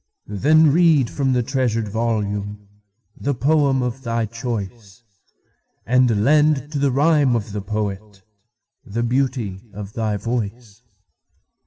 Then read from the treasured volumeThe poem of thy choice, And lend to the rhyme of the poetThe beauty of thy voice.